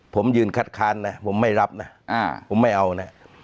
ผมยืนคัดค้านนะผมไม่รับนะผมไม่เอานะ